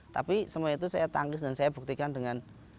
tapi semua itu saya tangkis dan saya buktikan dengan